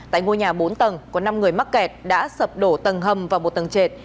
tại ngôi nhà bốn tầng có năm người mắc kẹt đã sập đổ tầng hầm và một tầng trệt